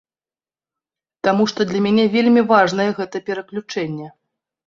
Таму што для мяне вельмі важнае гэтае пераключэнне.